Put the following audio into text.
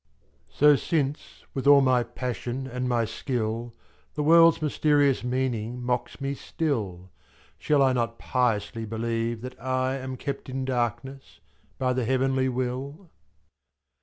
So since with all my passion and my skill. The world's mysterious meaning mocks me still. Si. Shall I not piously believe that I Am kept in darkness by the heavenly will?